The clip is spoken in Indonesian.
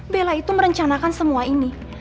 bella itu merencanakan semua ini